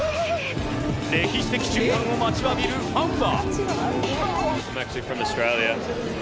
歴史的瞬間を待ちわびるファンは。